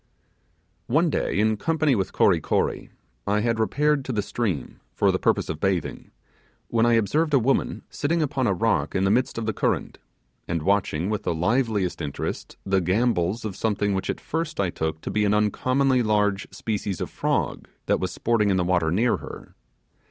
........ One day, in company with Kory Kory, I had repaired to the stream for the purpose of bathing, when I observed a woman sitting upon a rock in the midst of the current, and watching with the liveliest interest the gambols of something, which at first I took to be an uncommonly large species of frog that was sporting in the water near her.